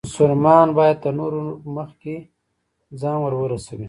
مسلمان باید تر نورو مخکې ځان ورورسوي.